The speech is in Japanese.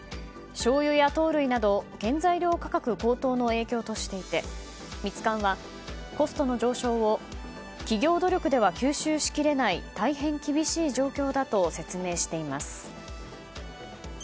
しょうゆや糖類など原材料価格高騰の影響としていてミツカンはコストの上昇を企業努力では吸収しきれない大変厳しい状況だと説明しています。